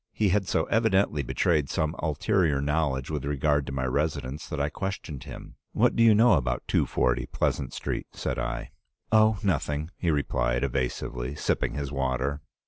He had so evidently betrayed some ulterior knowledge with regard to my residence that I questioned him. "'What do you know about 240 Pleasant Street?' said I. "'Oh, nothing,' he replied, evasively, sipping his water.